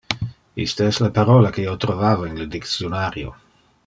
Iste es le parola que io trovava in le dictionario.